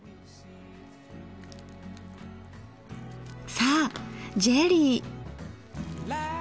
さあジェリー。